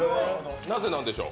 なぜなんでしょう？